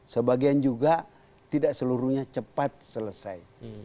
sebagian juga tidak seluruhnya cepat selesai